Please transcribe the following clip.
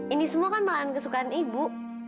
ini semua kan malahan kesukaan ibu